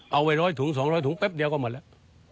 เอาไป๑๐๐ถุง๒๐๐ถุงแป๊บเดียวก็หมดแล้ว